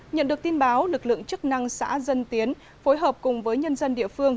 nhận được tin báo lực lượng chức năng xã dân tiến phối hợp cùng với nhân dân địa phương